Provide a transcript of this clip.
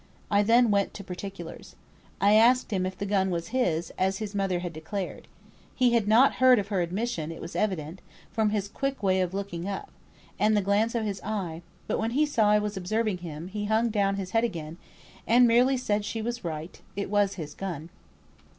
I then went to particulars. I asked him if the gun was his, as his mother had declared. He had not heard of her admission it was evident, from his quick way of looking up, and the glance of his eye; but when he saw I was observing him, he hung down his head again, and merely said she was right; it was his gun."